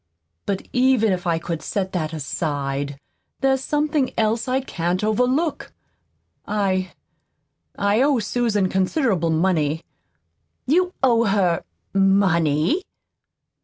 But even if I could set that aside, there's something else I can't overlook. I I owe Susan considerable money." "You owe her MONEY?"